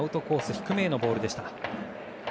低めへのボールでした。